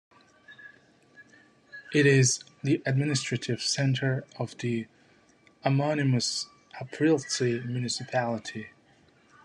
It is the administrative centre of the homonymous Apriltsi Municipality.